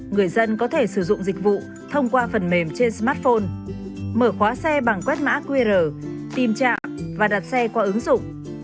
người dân có thể sử dụng dịch vụ thông qua phần mềm trên smartphone mở khóa xe bằng quét mã qr tìm trạm và đặt xe qua ứng dụng